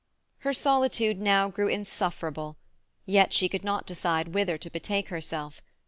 Her solitude now grew insufferable, yet she could not decide whither to betake herself.